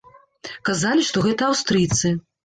Казалі, што гэта аўстрыйцы.